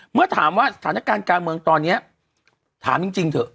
เมื่อถามว่าสถานการณ์การเมืองตอนนี้ถามจริงเถอะ